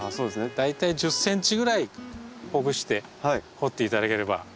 大体１０ｃｍぐらいほぐして掘っていただければ。